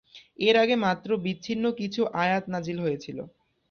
এর আগে মাত্র বিচ্ছিন্ন কিছু আয়াত নাযিল হয়েছিল।